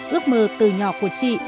ước mơ từ nhỏ của chị